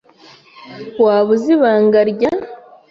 Waba uzi ibanga rya ?